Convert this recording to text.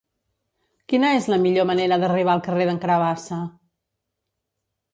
Quina és la millor manera d'arribar al carrer d'en Carabassa?